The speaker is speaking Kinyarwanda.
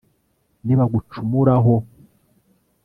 nibagucumuraho